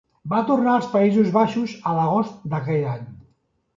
Va tornar als Països Baixos a l'agost d'aquell any.